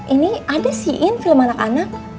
ini ada sih in film anak anak